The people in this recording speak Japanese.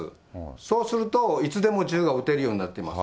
そうするといつでも銃が撃てるようになってます。